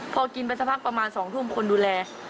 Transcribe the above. พอกินไปสักพักประมาณ๒ทุ่มคนดูแล